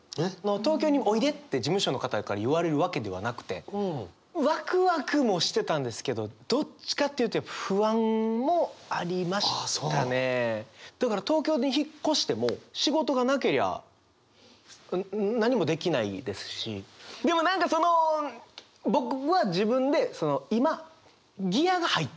東京においでって事務所の方から言われるわけではなくてワクワクもしてたんですけどどっちかっていうとだから東京に引っ越しても仕事がなけりゃ何もできないですしでも何かその僕は自分で今ギアが入ってないだけだと。